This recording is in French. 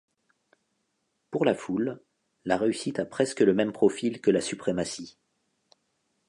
Pour la foule, la réussite a presque le même profil que la suprématie.